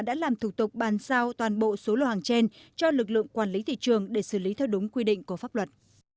đã làm thủ tục bàn giao toàn bộ số lô hàng trên cho lực lượng quản lý thị trường để xử lý theo đúng quy định của pháp luật